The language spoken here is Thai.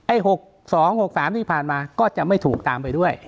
๖๒๖๓ที่ผ่านมาก็จะไม่ถูกตามไปด้วย